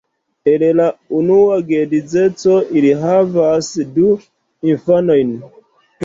El la unua geedzeco li havas du infanojn.